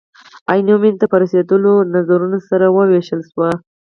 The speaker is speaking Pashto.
عینو مینې ته په رسېدلو نظرونه سره ووېشل شول.